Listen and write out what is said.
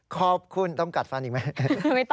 ขอบคุณต้องกัดฟันอีกมั้ยไม่ต้องครับ